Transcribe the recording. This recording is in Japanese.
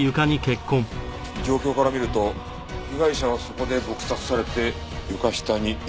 状況から見ると被害者はそこで撲殺されて床下に入れられたって事か。